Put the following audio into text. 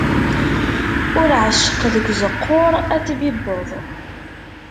Ur ɛecceq deg uzeqquṛ, ad t-tbibbeḍ.